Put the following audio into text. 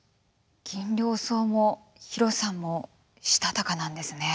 ギンリョウソウもヒロさんもしたたかなんですね。